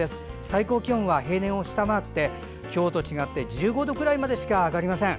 最高気温は平年を下回って今日と違って１５度くらいまでしか上がりません。